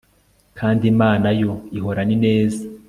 kandi imana yo ihorana ineza